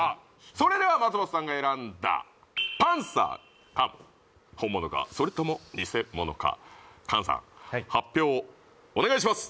それでは松本さんが選んだパンサー菅本物かそれともニセモノか菅さん発表をお願いします